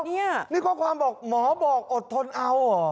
นี่นี่ข้อความบอกหมอบอกอดทนเอาเหรอ